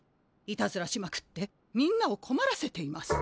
いたずらしまくってみんなをこまらせています。